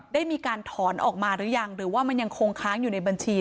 ได้มีการถอนออกมาหรือยังหรือว่ามันยังคงค้างอยู่ในบัญชี